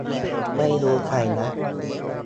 ไม่รู้ใครนะ